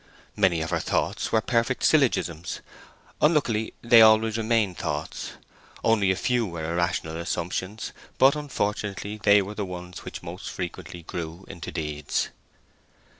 Many of her thoughts were perfect syllogisms; unluckily they always remained thoughts. Only a few were irrational assumptions; but, unfortunately, they were the ones which most frequently grew into deeds.